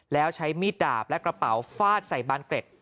แล้วใช้มีดดาบและกระเป๋าฟาดใส่บานเกร็ด